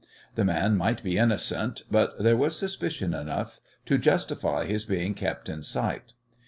The man might be innocent, but there was suspicion enough to justify his being kept in sight.